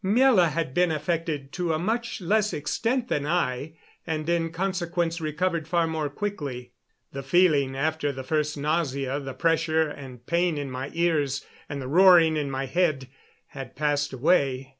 Miela had been affected to a much less extent than I, and in consequence recovered far more quickly. The feeling, after the first nausea, the pressure and pain in my ears and the roaring in my head, had passed away.